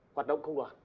hoạt động công đoàn